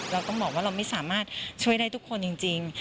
เราต้องบอกว่าเราไม่สามารถช่วยได้ทุกคนจริง